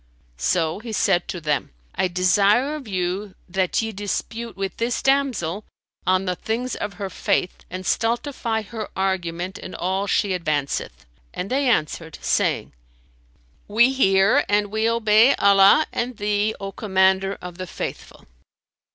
So he said to them, "I desire of you that ye dispute with this damsel on the things of her faith, and stultify her argument in all she advanceth;" and they answered, saying, "We hear and we obey Allah and thee, O Commander of the Faithful."